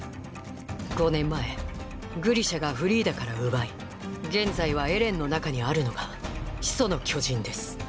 ５年前グリシャがフリーダから奪い現在はエレンの中にあるのが「始祖の巨人」です。